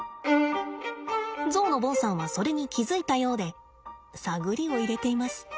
ゾウのボンさんはそれに気付いたようで探りを入れています。